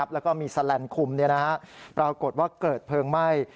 แล้วก็มีแสลนด์คุมปรากฏว่าเกิดเพลิงไหม้